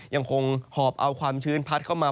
ยังคงหอบเอาความชื้นพัดเข้ามา